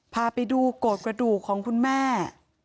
พาไปดูโกรธกระดูกของคุณแม่